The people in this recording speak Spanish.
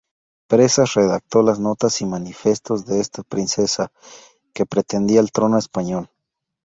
Presas redactó las notas y manifiestos de esta princesa, que pretendía el trono español.